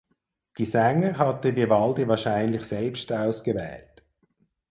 Die Sänger hatte Vivaldi wahrscheinlich selbst ausgewählt.